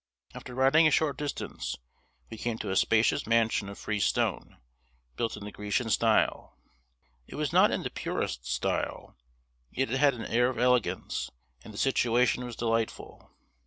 After riding a short distance, we came to a spacious mansion of freestone, built in the Grecian style. It was not in the purest style, yet it had an air of elegance, and the situation was delightful.